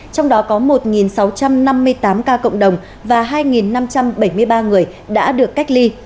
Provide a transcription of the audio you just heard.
trong đó có một sáu trăm năm mươi tám ca cộng đồng và hai năm trăm bảy mươi ba người đã được cách ly